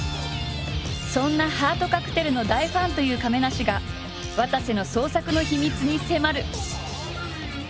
そんな「ハートカクテル」の大ファンという亀梨がわたせの創作の秘密に迫る！